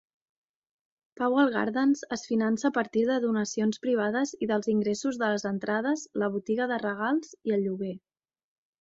Powell Gardens és finança a partir de donacions privades i dels ingressos de les entrades, la botiga de regals i el lloguer.